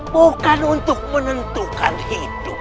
bukan untuk menentukan hidup